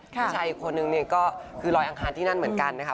ผู้ชายอีกคนนึงเนี่ยก็คือลอยอังคารที่นั่นเหมือนกันนะคะ